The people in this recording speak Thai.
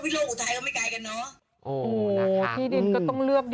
ส่วนที่พี่กลงสมุม